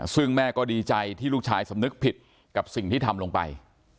ซึ่งแม่ก็ดีใจที่ลูกชายสำนึกผิดกับสิ่งที่ทำลงไป